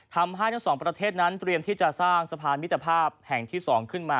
ทำให้ทั้งสองประเทศนั้นเตรียมที่จะสร้างสะพานมิตรภาพแห่งที่๒ขึ้นมา